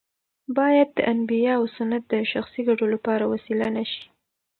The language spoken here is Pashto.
باید د انبیاوو سنت د شخصي ګټو لپاره وسیله نه شي.